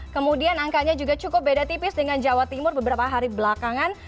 kemudian angkanya juga cukup beda tipis dengan jawa timur beberapa hari belakangan